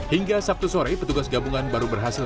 hingga sabtu sore petugas gabungan baru berhasil